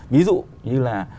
ví dụ như là